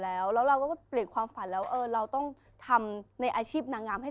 แล้วแล้วเราก็เปลี่ยนความฝันแล้วเออเราต้องทำในอาชีพนางงามให้